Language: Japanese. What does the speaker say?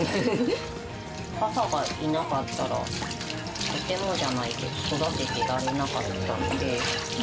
母がいなかったら、とてもじゃないけど、育ててられなかったので。